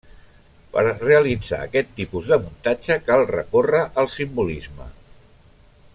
Per realitzar aquest tipus de muntatge cal recórrer al simbolisme.